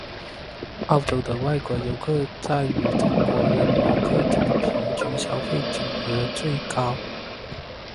澳洲的外国游客在以中国人游客的平均消费金额最多。